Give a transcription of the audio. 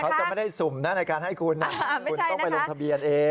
เขาจะไม่ได้สุ่มนะในการให้คุณคุณต้องไปลงทะเบียนเอง